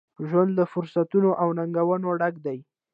ژوند له فرصتونو ، او ننګونو ډک دی.